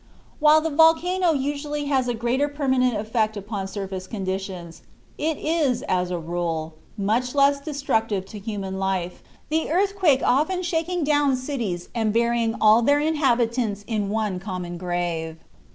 While the volcano usually has a greater permanent effect upon surface conditions, it is, as a rule, much less destructive to human life, the earthquake often shaking down cities and burying all their inhabitants in one common grave.